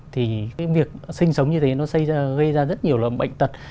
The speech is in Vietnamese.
thì cái việc sinh sống như thế nó gây ra rất nhiều là bệnh tật